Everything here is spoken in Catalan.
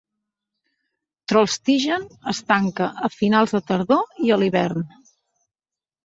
"Trollstigen" es tanca a finals de tardor i a l'hivern.